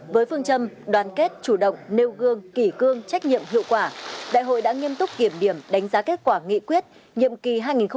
với phương châm đoàn kết chủ động nêu gương kỷ cương trách nhiệm hiệu quả đại hội đã nghiêm túc kiểm điểm đánh giá kết quả nghị quyết nhiệm kỳ hai nghìn hai mươi hai nghìn hai mươi